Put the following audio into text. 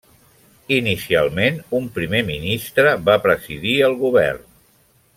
Inicialment, un primer ministre va presidir el Govern.